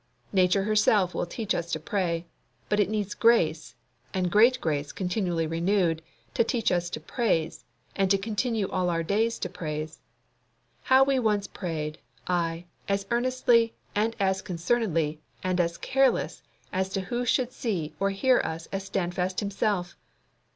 Nature herself will teach us to pray; but it needs grace, and great grace continually renewed, to teach us to praise, and to continue all our days to praise. How we once prayed, ay, as earnestly, and as concernedly, and as careless as to who should see or hear us as Standfast himself!